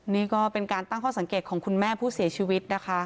นี่ก็เป็นการตั้งข้อสังเกตของคุณแม่ผู้เสียชีวิตนะคะ